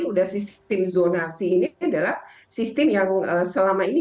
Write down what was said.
sudah sistem zonasi ini adalah sistem yang selama ini